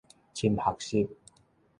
深學習